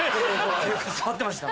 合ってました。